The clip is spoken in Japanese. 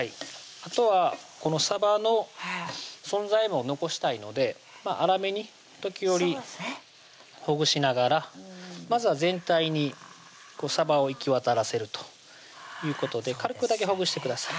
あとはこのさばの存在も残したいので粗めに時折ほぐしながらまずは全体にさばを行き渡らせるということで軽くだけほぐしてください